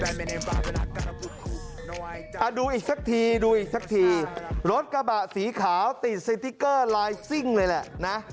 ดูอีกสักทีดูอีกสักทีรถกระบะสีขาวติดสติ๊กเกอร์ลายซิ่งเลยแหละนะ